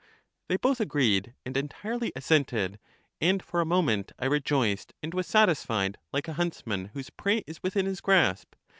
They both agreed and entirely assented, and for a moment I rejoiced and was satisfied like a huntsman whose prey is within his grasp.